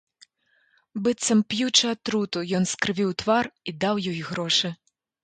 Быццам п'ючы атруту, ён скрывіў твар і даў ёй грошы.